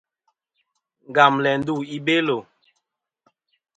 Ngam læ ndu i Belo.